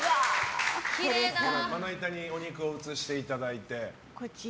まな板にお肉を移していただいて。